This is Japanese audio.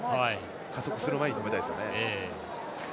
加速する前に止めたいですよね。